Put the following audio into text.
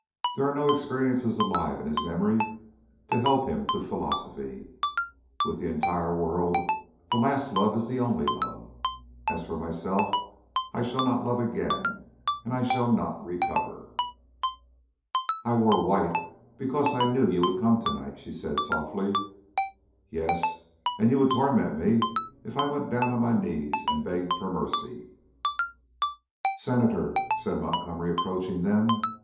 There are no experiences alive in his memory to help him to philosophy. With the entire world the last love is the only love. As for myself, I shall not love again and I shall not recover." "I wore white because I knew you would come tonight," she said softly. "Yes, and you would torment me if I went down on my knees and begged for mercy." "Senator," said Montgomery, approaching them.